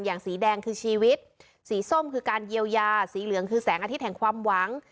สีแดงคือชีวิตสีส้มคือการเยียวยาสีเหลืองคือแสงอาทิตย์แห่งความหวัง